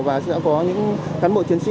và sẽ có những cán bộ chiến sĩ